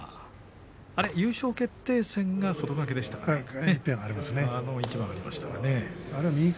優勝決定戦が外掛けでしたか。